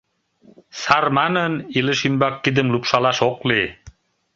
Сар манын, илыш ӱмбак кидым лупшалаш ок лий.